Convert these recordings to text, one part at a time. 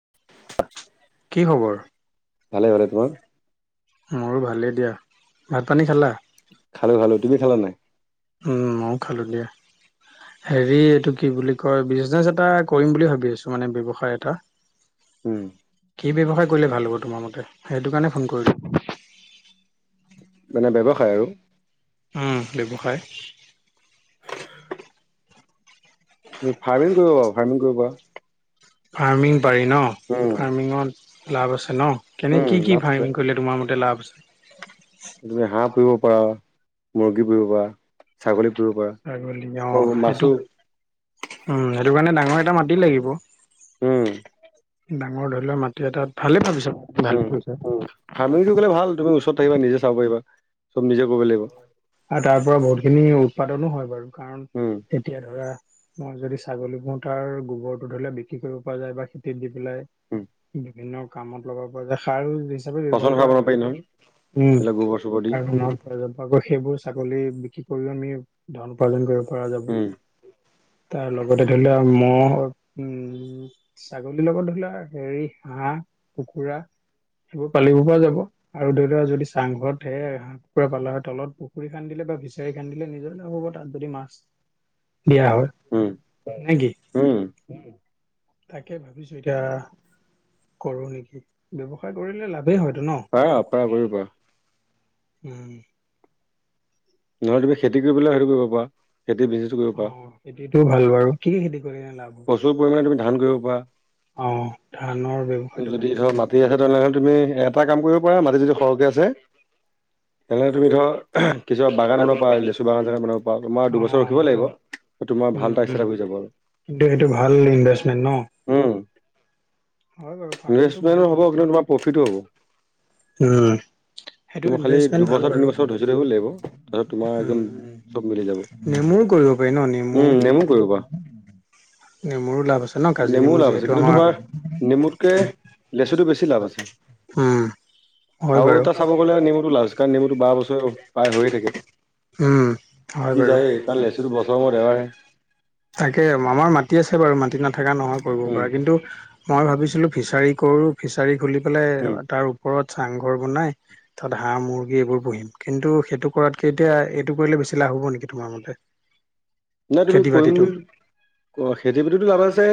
[inaudible] কি খবৰ? ভালে, ভালে। তোমাৰ? মোৰো ভালেই, দিয়া। ভাত পানী খালা? খালো, খালো। তুমি খালানে নাই? উম', ময়ো খালো। দিয়া। হেৰি, এইটো কি বুলি কয়, বিজনেছ এটা কৰিম বুলি ভাবি আছোঁ, মানে, ব্যৱসায় এটা। উম', কি, ব্যৱসায় কৰিলে ভাল হ'ব, তোমাৰ মতে? সেইটো কাৰণে ফোন কৰিলোঁ। মান, ব্যৱসায় আৰু। উম', ব্যৱসায়। উ, ফাৰ্মিং কৰিব, ফাৰ্মিং কৰিব পাৰা? ফাৰ্মিং পাৰি নে? উম ফাৰ্মিঙত লাভ আছে? ন, কেনে, উম কি কি লাভ আছে ফাৰ্মিং কৰিলে, তোমাৰ মতে, লাভ আছে? তুমি হাঁহ পুহিব পাৰা, মুৰ্গী পুহিব পাৰা। ছাগলী পুহিব পাৰা ছাগলী, আকৌ অ', সেইটো, মাছো উম, সেইটো কাৰণে ডাঙৰ। মাতি লাগিব। উম ডাঙৰ ধৰি লোৱা, মাটি এটাত, ভালেই ভাবিছোঁ, ভাল। উম ফাৰ্মিংটো কৰিলে ভাল। তুমি ওচৰত থাকিলে আহিব পাৰিবা, নিজে চাব পাৰিবা। চব নিজে কৰিব লাগিব হয়, আৰু তাৰ পৰা বহুতখিনি উৎপাদনো হয় বাৰু, কাৰণ উম এতিয়া ধৰা মই যদি ছাগলী পোহোঁ, তাৰ গোবৰটো ধৰিলে বিক্ৰী কৰিব পৰা যায় বা খেতিত দি পেলাব উম পাৰি। বিভিন্ন কামত লগাব পৰা যায়, সাৰ হিচাপে পচন ব্যৱহাৰ সাৰ কৰা বনাব হয় পাৰি আৰু নহয় এইবিলাক উম, গোবৰ চোবৰ দি আৰু যাব, আকৌ সেইবোৰ ছাগলী বিক্ৰী কৰিও আমি ধন উপাৰ্জন কৰিব পৰা যাব। উম তাৰ লগতে ধৰি লোৱা ম'হও, উম', ছা ছাগলীৰ লগত ধৰা, হেৰি হাঁহ, কুকুৰা। সেইবোৰ পালিব পৰা যাব আৰু ধৰি লৰা যদি চাংঘৰতে কুকুৰা পালা, তলত পুখুৰী খান্দিলে বা বিচাৰি খান্দিলে, নিজৰে লাভ হ'ব, তাত যদি মাছ দিয়া, হয় উম নে কি, উম তাকে ভাবিছোঁ। এতিয়া কৰোঁ নেকি ব্যৱসায়? কৰিলে লাভেই হয়তো, নহয়? পাৰা পাৰা কৰিব পাৰা উম', নহ'লে তুমি খেতি কৰি পেলাই সেইটো কৰিব পাৰা খেতি বিজনেছো কৰিব পাৰা অ', খেতিটো ভাল বাৰু। কি কি খেতি কৰে এয়া? প্ৰচুৰ, পৰিমাণে তুমি ধান কৰিব অ ধানৰ পাৰা। ব্যৱসায়টো ভাল যদি আছে ধৰ, মাটি আছে, তেনেহ'লে তুমি এটা কাম কৰিব পাৰা। মাটি যদি সৰহকৈ আছে। [unintelligible] [inaudible] তেনেহ'লে তুমি ধৰক কিছুমান বাগানৰ পা, লেচু বাগান চাগানবোৰৰ পা তোমাৰ অ দুবছৰ ৰখিব লাগিব তোমাৰ ভাল এটা [unintelligible] হৈ যাব আৰু। এইটো ভাল ইনভেষ্টমেণ্ট ন। উম হয় বাৰু ফাৰ্মিং টো ইনভেষ্টমেণ্টো ভাল হ'ব কিন্তু তোমাৰ প্ৰফিটো হ'ব ইনভেষ্টমেণ্ট, উম'। সেইটোত তুমি খালি ইনভেষ্টমেণ্ট ভাল দুবছৰ বাৰু তিনিবছৰ অ', ধৈৰ্য ধৰিব লাগিব তাৰপিছত তোমাৰ একদম চব মিলি উ, যাব নেমু [unintelligible] কৰিব পাৰি ন নেমু উম কৰিব নেমুৰো লাভ আছে ন পাৰা কাজি নেমুও নেমু লাভ আছে যিহেতু কিন্তু আমাৰ তোমাৰ নেমুতকে লেচুটো বেছি লাভ আছে উম হয় আৰু বাৰু তাত ক'ব গলে নেমুটো লাজ কাৰণ নমুটো বাৰ বছৰ প্ৰায় হৈয়ে থাকে। উম, হয় বিকি বাৰু যায়েই কাৰণ লেচুটো বছৰৰ মূৰত এবাৰহে তাকে মামাৰ মাটি আছে আছে বাৰু মাটি নাথকা নহয় কৰিব উম পৰা কিন্তু, মই ভাবিছিলোঁ ফিচাৰিঙ কৰোঁ ফিচাৰিঙ খুলি মানে উম তাৰ ওপৰত চাংঘৰ বনাই তাত হাঁহ মুৰ্গী এইবোৰ পুহিম কিন্তু সেইটো কৰাতকে এতিয়া এইটো কৰিলে বেছি লাভ। আহিব নেকি তোমাৰ মতে? নাই তুমি খেতি কৰিম বাতিটো বুলি খেতি বাতিটো লাভ আছে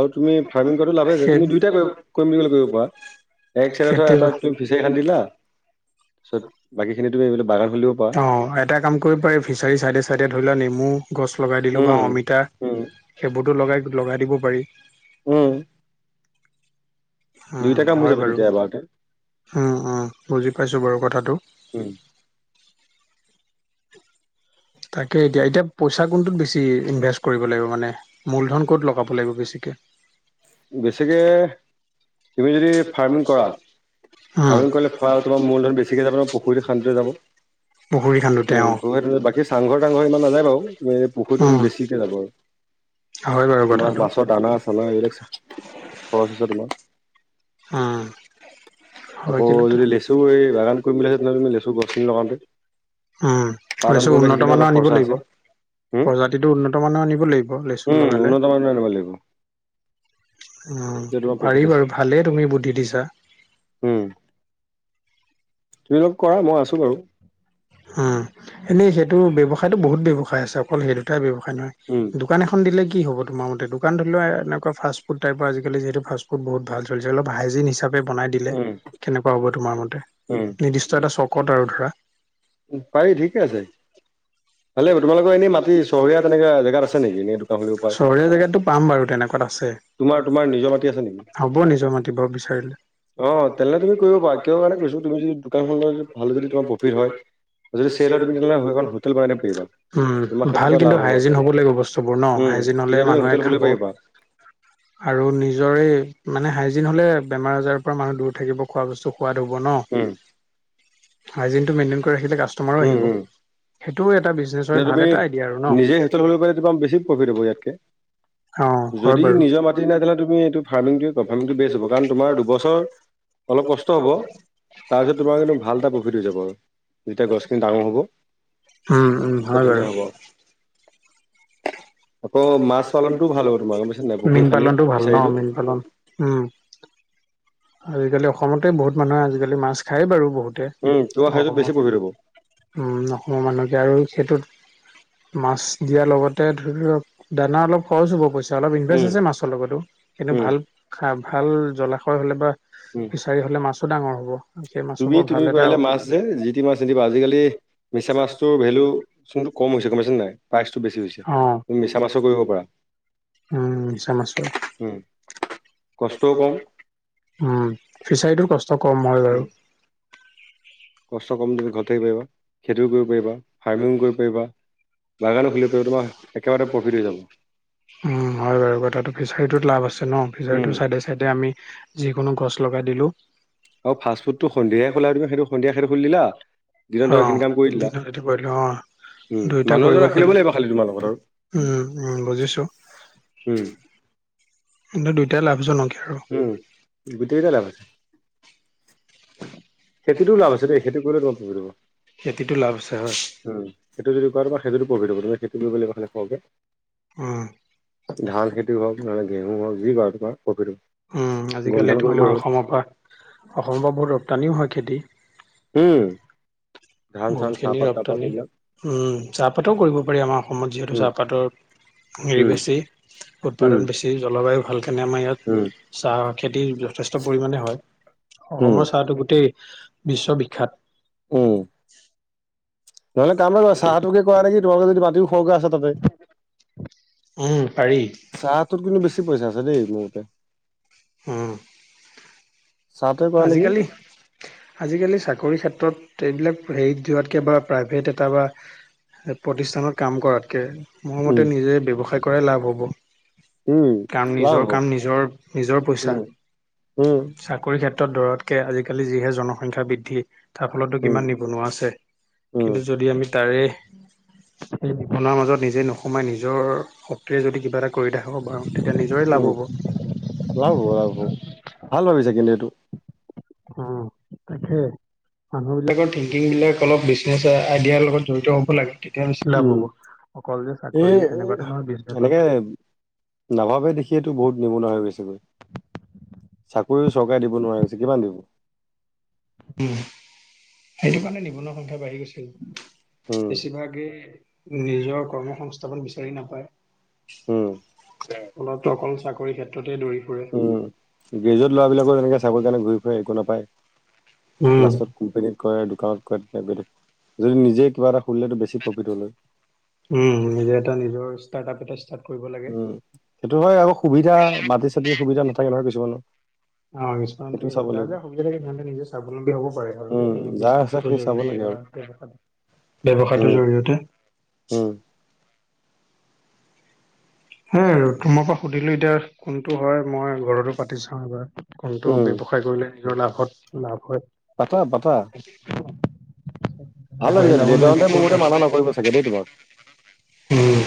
আৰু তুমি ফাৰ্মিং [unintelligible] লাভ আছে যে সেই তুমি দুইটা কৰিম বুলি কৰিব পাৰা এক চাইডত খেতি ধৰা এটা তুমি ফিচাৰী খান্দিলা তাৰপিছত বাকী খিনি তুমি এইবিলাক বাগান খুলিব পাৰা অ', এটা কাম কৰিব পাৰি ফিচাৰিঙ চাইডে চাইডে ধৰি লোৱা নেমু গছ লগাই দিলোঁ বা উম অমিতা উম সেইবোৰটো লগাই- লগাই দিব পাৰি। উম দুইটা উম, কাম হৈ হয় যাব বাৰু তেতিয়া এবাৰতে অ', অ', বুজি পাইছো বাৰু কথাটো। উম। তাকে এতিয়া, এতিয়া পইচা কোনটোত বেছি ইনভেষ্ট কৰিব লাগিব মানে মূলধন ক'ত লগাব লাগিব বেছিকে? [unintelligible] বেছিকে তুমি যদি ফাৰ্মিং কৰা উম ফাৰ্মিং কৰিলে খোৱা তোমাৰ মূলধন বেছিকে যাব, পুখুৰীটো খান্দোতে যাব। পুখুৰী খান্দোতে অ'। এই চাংঘৰ তাংঘৰ ইমান নাযায় বাৰু পুখুৰীটো উম বেছিকে যাব আৰু হয় বাৰু তোমাৰ কথাটো মাছৰ দানা চানা এইবিলাক [unintelligible] খৰচ আছে তোমাৰ। হুম। আকৌ যদি লেচু এই বাগান কৰিম বুলি ভাবিছিলোঁ, লেচু গছখিনি লগাওঁতে। উম, খালি পালন চব কৰোতে উন্নত সেইখিনি মানৰ অলপ আনিব খৰচা লাগিব। আছে উম, প্ৰজাতিটো উন্নত মানৰ আনিব লাগিব লেচু উম, লগালে। উন্নত মানৰ আনিব লাগিব উম, তেতিয়া তোমাৰ পাৰি প্ৰফিট আছে। বাৰু ভালেই তুমি বুদ্ধি দিছাঁ। উম, তুমি অলপ কৰা মই আছো বাৰু উম', এনে [unintelligible] এইটো ব্যৱসায়তো বহুত ব্যৱসায় আছে, অকল সেই দুটাই ব্যৱসায় নহয় উম, দোকান এখন দিলে কি হ'ব তোমাৰ মতে দোকান ধৰি লোৱা এনেকুৱা ফাষ্টফুডটাইপৰ আজিকালি যিহেতু ফাষ্টফুড বহুত ভাল চলিছে হাইজিন হিচাপ বনাই দিলে উম, কেনেকুৱা হ'ব তোমাৰ মতে উম। নিৰ্দিষ্ট এটা চকত আৰু ধৰা। উম, পাৰি ঠিকে আছে। ভালে হ'ব তোমালোকৰ এনেই মাটি চহৰীয়া তেনেকা জেগাত আছে নেকি এনে দোকান খুলিব পৰা? চহৰীয়া জেগাতটো পাম বাৰু তেনেকুৱাত আছে। তোমাৰ তোমাৰ নিজৰ মাটি আছে নেকি? হ'ব নিজৰ মাতিব বিচাৰিলে। অ', তেনেহ'লে তুমি কৰিব পাৰা কিহৰ কাৰণে কৈছোঁ তুমি যদি দোকানখন [unintelligible] ভালদৰে যদি তোমাৰ প্ৰফিট হয় যদি চেলত [unintelligible] হোটেল [unintelligible] উম, তোমাৰ সেইটোৰ ভাল পৰা লাভ কিন্তু হাইজিন হ'ব লাগিব বস্তুবোৰ ন উম, হাইজিন হ'লে তেতিয়া তুমি মানুহে হোটেল খুলিব খাব। পাৰিবা আৰু নিজৰে মানে হাই হাইজিন হ'লে বেমাৰ আজাৰৰ পৰা মানুহ দূৰ থাকিব খোৱা বস্তু সোৱাদ হ'ব ন। উম, হাইজিনটো মেইনটেইন কৰি ৰাখিলে কাষ্টমাৰো উম, আহিব উম। সেইটো এটা বিজনেছৰ তেতিয়া ভাল তুমি এটা আইদিয়া আৰু নিজে হোটেল খুলিব পাৰিলে তোমাৰ বেছি প্ৰফিট হ'ব ন? ইয়াতকে। অ হয় যদি বাৰু নিজৰ মাটি নাই তেনেহ'লে তুমি এইটো ফাৰ্মিটোয়ে কৰা, ফাৰ্মিটো বেষ্ট হ'ব কাৰণ তোমাৰ দুবছৰ অলপ কষ্ট হ'ব। তাৰপিছত তোমাৰ কিন্তু ভাল এটা প্ৰফিট হৈ যাব, যেতিয়া গছখিনি ডাঙৰ হ'ব। অম, উম। হয় বাৰু ধুনীয়া হ'ব আৰু। পালনটোও ভাল হ'ব তোমাৰ গম পাইছা নাই [inaudible] পুখুৰী মীন খান্দি পালনতটো ভাল ন ফিচাৰীটো মীন পালন উম। আজিকালি অসমতে বহুত মানুহে আজিকালি মাছ খায়াই বাৰু বহুত। উম তোমাৰ সেইটোত বেছি অসমৰ প্ৰফিট হ'ব উম, অসমৰ মানুহকে আৰু সেইটোত মাছ দিয়াৰ লগতে ধৰিক দানা অলপ খৰচ হ'ব পইচা। অলপ ইনভেষ্ট উম আছে, মাছৰ লগতো কিন্তু উম ভাল, ভাল জলাশয় হ'লে বা উম ফিছাৰি হলে, মাছো ডাঙৰ হ'ব সেই মাছ তুমি বৰ ভাল তুমি এটা আৰু পাৰিলে [inaudible] মাছ যে যি টি মাছ নিদিবা আজিকালি মিছা মাছটোৰ ভেলু যোনটো কম হৈছে গম পাইছা নাই প্ৰাইচটো বেছি হৈছে আহ। তুমি মিছা মাছো কৰিব পাৰা উম, চাম আছো। কষ্ট, কম। উম, ফিচাৰীটোৰ কষ্ট কম হয় উম বাৰু। কষ্ট কম দ, ঘৰতাক পাৰিবা খেতিও কৰিব পাৰিবা, ফাৰ্মিং কৰিব পাৰিবা। বাগানো খুলিব পাৰ তোমাৰ একেবাৰে প্ৰফিট হৈ যাব। উম, হয় বাৰু তাতো ফিচাৰীটোত লাভ আছে ন, উম। ফিচাৰী চাইডে, চাইডে আমি যিকোনো গছ লগাই দিলোঁ। অ, ফাষ্টফুডতো সন্ধিয়া খলাইম সেইটো সন্ধিয়া সেইটো খুল দিলা। দিনত অ, ধৰ সেইখিনি কাম কৰি দিলা দিন যতি পিল অ, উম দুই মানুহ এজন ৰাখি কৰিবাৰ ল'ব লাগিব খালি তোমাৰ লগত আৰু বুজিছো। উম। কিন্তু দুইটাই লাভছো নক উম, গট কটা লাবছে। খেতিটো লাভ আছে, দেই খেতি কৰিলে তোমাৰ পুব উম, খেতিটো লাভ আছে হয়। সেইটো যদি ক সেইটোত পঢ়ি থব তুম সেইটো কৰিব লাগিব খালে খওঁ উম। ধান খেতিও হওক নহলে, গেহু হওক যি ক তোমাৰ প্ৰফিট হ'ব। উম, গোম ধান আজিকালটো কৰিলেও আমাৰ হ'ল অসমৰ পৰা অসমৰ পৰা বহুত ৰপ্তানিও হয় খেতি। উম। ধান চান বহুতখিনি চাহপাত তাহপাত ৰপ্তানি এইবিলাক উম, চাহপাতো কৰিব পাৰি আমাৰ অসমত যিহেতু উম চাহপাতৰ হেৰি উম বেছি উম উৎপাদন বেছি জলবায়ু ভাল কাৰণে আমাৰ উম ইয়াত চাহ খেতি যথেষ্ট পৰিমণে হয়। উম অসমৰ চাহটো গোটেই বিশ্ববিখ্যাত। উম। [inaudible] নহলে কাম এটা চাহ তোকে কৰা নেকি তোমালোকৰ যদি মাটিও খৰক আছে তাতে উম পাৰি চাহটোত কিন্তু বেছি পইচা আছে, দেই মোৰতে উম। কৰা নেকি? আজিকালি, আজিকালি চাকৰিৰ ক্ষেত্ৰত এইবিলাক হেৰিত দোৱাতকৈ বা প্ৰাইভেট এটা বা প্ৰতিষ্ঠানত কাম কৰাতকৈ মোৰ উম, মতে নিজে ব্যৱসায় কৰাই লাভ হ'ব। উম, কাম, লাভ নিজৰ হ'ব। কাম, নিজৰ, নিজৰ পইচা উম, উম, চাকৰি ক্ষেত্ৰত দৰতকে আজিকালি যিহে জনসংখ্যা বৃদ্ধি তাৰ ফলতো উম, কিমান নিবনুৱা আছে, উম, কিন্তু যদি আমি তাৰে সেই বিপনাৰ মাজত নিজে নোসোমাই নিজৰ শক্তিৰে যদি কিবা এটা কৰি ৰাখিব পাৰু। তেতিয়া নিজৰে লাভ উম, লাভ হ'ব, হ'ব। লাভ হ'ব। ভাল ভাবিছা কিন্তু এইটো। অ, তাক মানুহ বিলাকৰ থিংকিং বিলাক অলপ বিজনেচ আইডিয়াৰ লগত জড়িত হ'ব লাগে। [unintelligible] ভ উম, হ'ব অকল যে এই চাকৰিয়ে তেনেকুৱাতো নহয় বিজনেচত এনেকে নাভাবে দেখিয়েতো বহুত নিবুৱা হৈ গৈছেগৈ। চাকৰিও চৰকাৰে দিব নোৱাৰাৰে হৈছে কিমান দিব উ সেইটো কাৰণে নিবনুৱা সংখ্য্া বাঢ়ি গৈ উম, বেছিভাগে নিজৰ কৰ্ম সংস্থাপন বিচাৰি নাপায় উম, ফলতো অকল চাকৰি ক্ষেত্ৰত উম গ্ৰেজুৱট ল'ৰাবলাকৰ তেনেকে চাকৰি কাৰণে ঘূৰি ফুৰে একো নাপায় উম, প্লাছৰ কোম্পানীৰ কয় দোকানত কয় যদি নিজে কিবা এটা সুলিলেতো বেছি প্ৰফিট হ'ল হয় উম নিজে এটা নিজৰ ষ্টাৰ্ট আ এটা ষ্ট উম সেইটো হয় আকৌ সুবিধা মাটি চতিি সুবিধা নাথাকে নহয় কিছুমানো অ সস্ফৰণ থাকিব যাৰ যাৰ সুবিধা থাকে তেহলে নিজে স্বাৱলম্বী হব পাৰে আৰু উম স যাৰ আছে বিশ্বাসটোৰ সেই চাব জৰিয়তে লাগে আৰু ৱস ব্য্ৱসায়টোৰ উম জৰিয়তে উম এ তোমাৰ পৰা সুধিলো এতিয়া কোনটো হয় মই ঘৰতো পাতি চাও এবাৰ কোনটো উম ব্য্ৱসায় কৰিলে নিজৰ লাভত লাভ হয়। পত পতা ভাল আগবাঢ়ি লাগিছো যাব লাগিব দেউতাহঁতে মোৰ ক'ত মতে আৰু মানা নকৰিব চাগে দেই তোমাক উম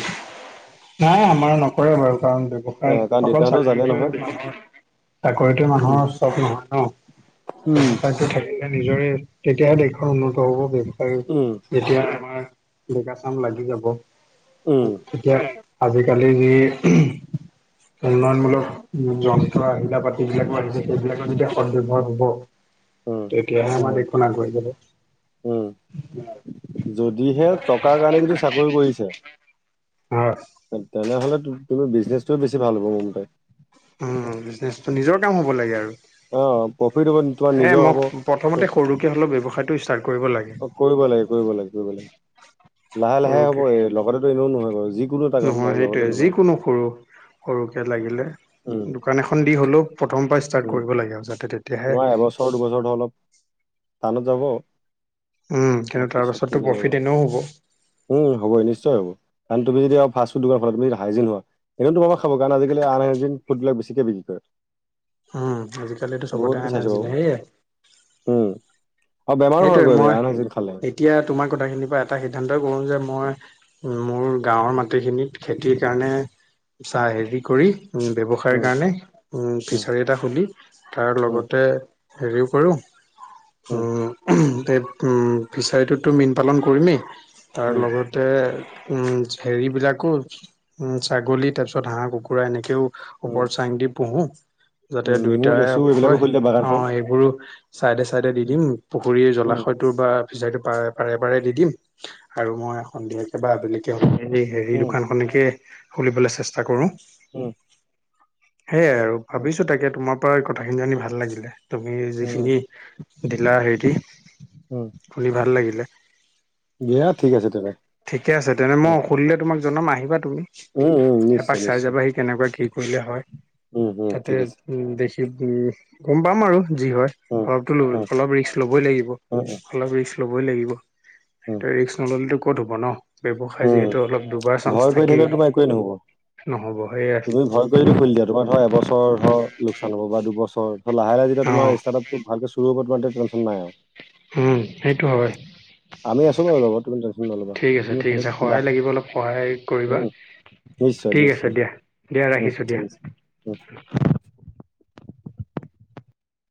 নাই আমাৰ নকৰে বাৰু কাৰণ অ ব্য্ৱসায় কাৰণ অকল দেউতাহঁতেও জানে নহয় চাকৰি চাকৰিটোো উম মানুহৰ চখ নহয় উম ন থ নিজৰে তেতিয়াহে দেশৰ উন্নত হব বৱসায় উম যেতিয়া আমাৰ ডেকা চাম লাগি যাব উম এতিয়া আজিকালি যি উন্নয়নমূলক যন্ত্ৰ আহিলা পাতি বিলাকো আহিছে সেইবিলাকৰ যেতিয়া সদব্যৱহাৰ হব উম তেতিয়াহে আমাৰ দেশখন আগুৱাই যাব উম যদিহে টকাৰ কাৰণে যদি চাকৰি কৰিছে অ তেনেহলে তুমি বিজনেছটো বেছি ভাল হ'ব মোৰ মতে উম বিজনেচটো নিজৰ কাম হ'ব লাগে আৰু অ প্ৰফিট হ'ব তোমাৰ হে নিজৰ হ'ব মোক প্ৰথমতে সৰুকে হ'লেও ব্যৱসায়টো ষ্টাৰ্ট কৰিব লাগে। অ কৰিব লাগে কৰিব লাগে কৰিব লাগে লাহে লাহে সৰুকে হ'ব এ লগতেতো এনেও নহয় বাৰু যিকোনো এটা কাম নহয় বাৰু সেইটোৱে লগতে নহয় যিকোনো সৰু সৰুকে লাগিলে উম দোকান এখন দি হ'লেও প্ৰথম পৰা ষ্টাৰ্ট উম কৰিব লাগে তেতিয়াহে তোমাৰ এবছৰ দুবছৰ অলপ টানত যাব উম, কিন্তু বাকী তাৰ চব পাছতো ঠিক হৈ যাব প্ৰফিট এনেও হ'ব। উম হ'ব নিশ্চয় হ'ব কাৰণ তুমি যদি আৰু ফাষ্টফুদ ফুমদি হাইজিনোৱা তোমাৰ খাব কাৰণ আজিকালি আনহেলডি ফুডবিলাক বেছিকে বিক্ৰী কৰে উম আজিকালিতো বহুত চবতে আইন আহি চাইছো বাৰু যায় সেইয়ে উম, আৰু বেমাৰো সেইটোয়ে হয়গৈ মই আনহাইজিন খালে। এতিয়া তোমাক কথাখিনিৰ পৰা এটা সিদ্ধান্ত কৰোঁ যে মই মোৰ গাঁৱৰ মাটিখিনিত খেতিৰ কাৰণে চাহ হেৰি কৰি ব্যৱসায়ৰ উম, কাৰণে উম, ফিছাৰী এটা খুলি তাৰ উম, লগতে হেৰিও কৰো ও উম, এই ফিছাৰীটোততো মীন পালন কৰিমেই তাৰ উম, লগতে উম হেৰিবিলাকো উ ছাগলী তাৰ পিছত হাঁহ কুকুৰা এনেকেও উম, ওপৰত চাং দি পোহো উম, যাতে নেমু, দুইটাৰে লেচু এইবিলাকো হয় খুলি দিয়ে অ বাগানখন। সেইবোৰো চাইডে চাইডে দি উম, দিম পুখুৰীৰ উম, জলাশয়টোৰ বা ফিচাৰটো পাৰে পাৰে পাৰে দি দিম আৰু মই সন্ধিয়াকৈ বা আবেলিকে এই হেৰি উম, দোকান খনেকে খুলিবলৈ চেষ্টা কৰো উম, সেয়ে আৰু ভাবিছোঁ তাকে তোমাৰ পৰা কথাখিনি আনি ভাল লাগিলে। তুমি উম, যিখিনি দিলা হেতি, উম, শুনি ভাল লাগিলে। দিয়া ঠিক আছে তেনে। ঠিকে আছে, তেনে উম, মই সুধিলে তোমাক জনম আহিবা তুমি। উম, উম, নিশ্চয় এপাক চাই নিশ্চয় যাবাহি কেনেকুৱা কি কৰিলে হয়। উম, উম, তাতে ঠিক আছে উম, দেখি উম। গম পাম আৰু যি হয়, উম, অলপতো উম, অলপ ৰিস্ক ল'বই লাগিব। উম, উম, অলপ ৰিস্ক ল ল'বই লাগিব, উম, তে ৰিস্ক নললে ত' ক'ত হ'ব ন'। ব্যৱসায় উম। যিহেতু অলপ ডুবা চান্স ভয় কৰি থাকে। থাকিলে তোমাৰ একোৱেই নহ'ব। তুমি ভয় কৰি দি খুলি দিয়া তোমাৰ ধৰ এবছৰ ধৰ লোকচান হ'ব বা দুবছৰ। ত' লাহে লাহে যেতিয়া তোমাৰ অঁ ষ্টাৰআপটো ভালকে চুৰু হ'ব তোমাৰ তে, টেনচন নাই। হম, সেইটো হয়। আমি আছো বাৰু লগত তুমি টেনচন নল'বা ঠিক আছে, তুমি ঠিক খালি আছে। খোলা সহায় লাগিব অলপ সহায় কৰিবা। উম নিশ্চয় ঠিক আছে নিশ্চয় দিয়া, দিয়া উম ৰাখিছোঁ দিয়া। ঠিক আছে উম।